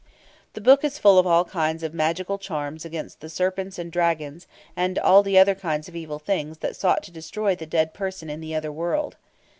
The book is full of all kinds of magical charms against the serpents and dragons and all the other kinds of evil things that sought to destroy the dead person in the other world.